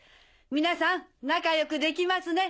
皆さん仲良くできますね。